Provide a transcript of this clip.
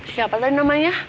siapa tadi namanya